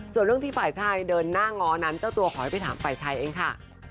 ส่วนเรื่องที่ฝ่ายชายเดินหน้าง้อนั้นเจ้าตัวขอให้ไปถามฝ่ายชายเองค่ะ